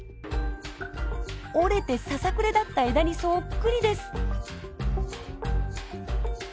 折れてささくれ立った枝にそっくりです。